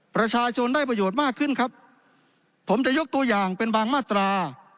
ประชาชนได้ประโยชน์มากขึ้นครับผมจะยกตัวอย่างเป็นบางมาตรา